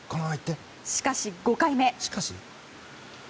しかし５回目。